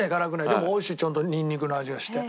でもおいしいちゃんとニンニクの味がして。